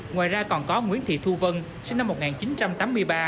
ngoài ra còn có nguyễn thị thu vân sinh năm một nghìn chín trăm tám mươi ba